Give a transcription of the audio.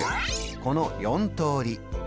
この４通り。